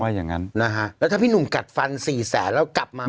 อย่างงั้นนะฮะแล้วถ้าพี่หนุ่มกัดฟันสี่แสนแล้วกลับมา